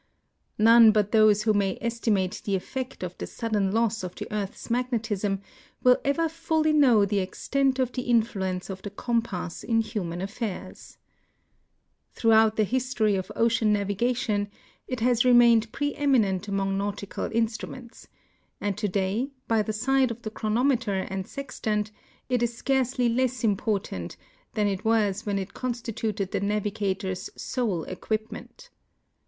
None but those who may estimate the eff'ect of the sudden loss of the earth's magnetism will ever fully know the extent of the influence of the compass in human affairs. THE COMPAHS IN MODERN NA Vl(i.\ TlOX iv,; Throughout the liistory of oce:m luivi^Mtion it lias reinained pre eminent iiinont,' nautical instruinents; and to(hiy, l.y tli,. Hide of the chronometer and sextant, it is scarcely less important than it was when it constituted the navigator's sole eciuipnient.